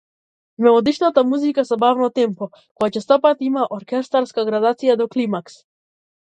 Мелодична музика со бавно темпо, која честопати има оркестарска градација до климакс.